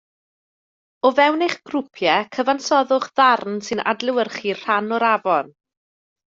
O fewn eich grwpiau cyfansoddwch ddarn sy'n adlewyrchu rhan o'r afon